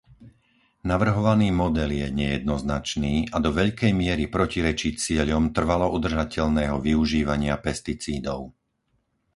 Navrhovaný model je nejednoznačný a do veľkej miery protirečí cieľom trvalo udržateľného využívania pesticídov.